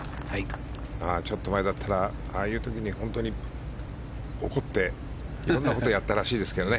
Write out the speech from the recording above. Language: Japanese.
ちょっと前だったらああいう時に本当に怒って色んなことをやったらしいですけどね。